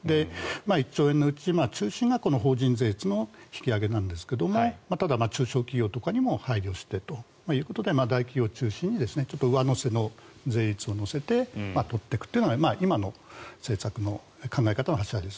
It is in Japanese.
１兆円のうち、中心が法人税率の引き上げなんですがただ、中小企業とかにも配慮してということで大企業を中心に上乗せの税率を乗せて取っていくというのが今の政策の考え方の柱です。